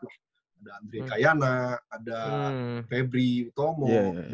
ada andre kayana ada febri tomo